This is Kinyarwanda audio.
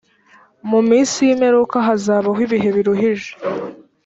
mu minsi y imperuka hazabaho ibihe biruhije